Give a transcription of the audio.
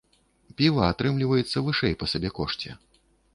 Піва атрымліваецца вышэй па сабекошце.